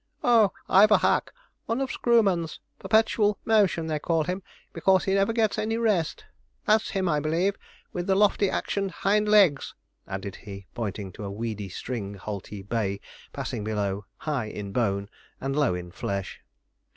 'Oh, I've a hack, one of Screwman's, Perpetual Motion they call him, because he never gets any rest. That's him, I believe, with the lofty actioned hind legs,' added he, pointing to a weedy string halty bay passing below, high in bone and low in flesh.